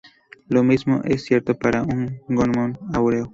Lo mismo es cierto para un gnomon áureo.